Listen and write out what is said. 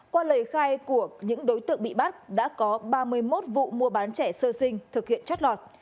qua lời khai của những đối tượng bị bắt đã có ba mươi một vụ mua bán trẻ sơ sinh thực hiện trót lọt